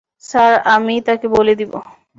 Sir, আমি-ই তাকে বলে দিবো।